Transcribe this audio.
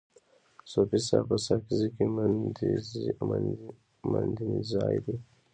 صوفي صاحب په ساکزی کي مندینزای دی.